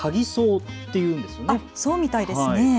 そうみたいですね。